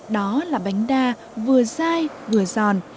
đó là bánh đa vừa dai vừa giòn